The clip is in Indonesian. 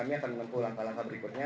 siapa yang mau membawa artisnya